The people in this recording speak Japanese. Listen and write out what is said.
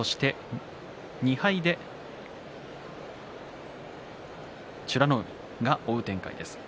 ２敗で美ノ海が追う展開です。